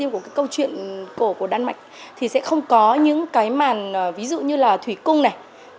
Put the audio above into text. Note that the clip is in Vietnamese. câu chuyện cổ của đan mạch thì sẽ không có những cái màn ví dụ như là thủy cung này